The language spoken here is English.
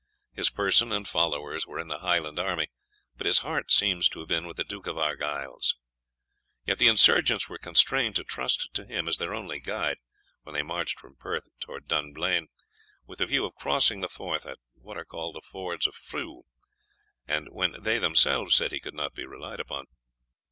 His person and followers were in the Highland army, but his heart seems to have been with the Duke of Argyle's. Yet the insurgents were constrained to trust to him as their only guide, when they marched from Perth towards Dunblane, with the view of crossing the Forth at what are called the Fords of Frew, and when they themselves said he could not be relied upon.